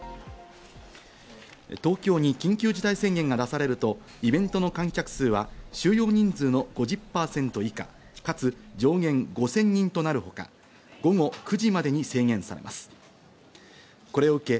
東京に緊急事態宣言が出されるとイベントの観客数は収容人数の５０％以下、かつ上限５０００人となるほか、午後９時までに制限されます。